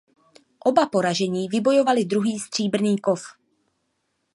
Oba poražení vybojovali druhý stříbrný kov.